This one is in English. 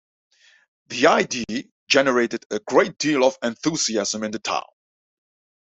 The idea generated a great deal of enthusiasm in the town.